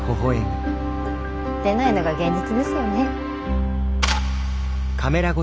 出ないのが現実ですよね。